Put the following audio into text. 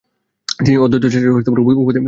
তিনি অদ্বৈতাচার্য উপাধি লাভ করেন।